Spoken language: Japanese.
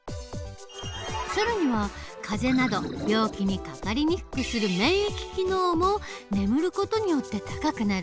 更には風邪など病気にかかりにくくする免疫機能も眠る事によって高くなる。